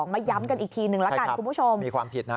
มาย้ำกันอีกทีนึงละกันคุณผู้ชมมีความผิดนะ